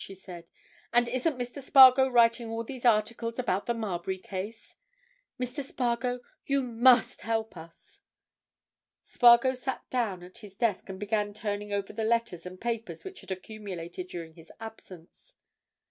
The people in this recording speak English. she said. "And isn't Mr. Spargo writing all these articles about the Marbury case? Mr. Spargo, you must help us!" Spargo sat down at his desk and began turning over the letters and papers which had accumulated during his absence.